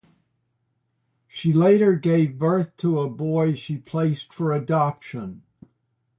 She later gave birth to a boy she placed for adoption.